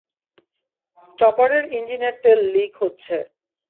চপারের ইঞ্জিনের তেল লিক হচ্ছে।